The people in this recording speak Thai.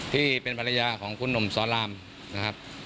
ที่เป็นภรรยาของคุณหนุ่มสอนรามนะครับ